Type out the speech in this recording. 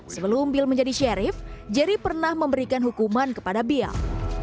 sebelum bill menjadi sherift jerry pernah memberikan hukuman kepada bial